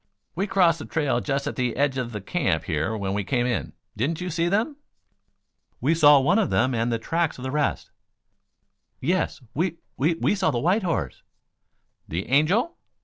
"We crossed the trail just at the edge of the camp here when we came in. Didn't you see them?" "We saw one of them and the tracks of the rest " "Yes, we we we saw the white horse " "The Angel?"